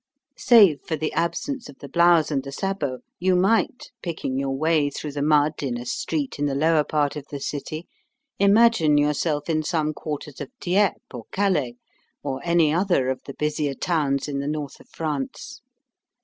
Save for the absence of the blouse and the sabot you might, picking your way through the mud in a street in the lower part of the city, imagine yourself in some quarters of Dieppe or Calais, or any other of the busier towns in the north of France.